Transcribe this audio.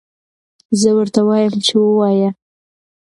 زه ورته وایم چې ووایه.